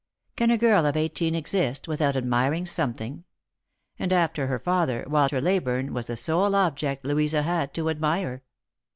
Can a girl of eighteen exist without admiring something ? and, after her father, Walter Leyburne was the sole object Louisa had to admire.